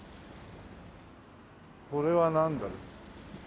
これはなんだろう？